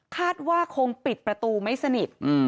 คาดว่าคงปิดประตูไม่สนิท